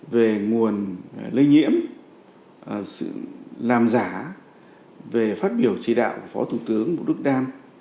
về nguồn lây nhiễm sự làm giả về phát biểu trí đạo của phó thủ tướng bộ đức đan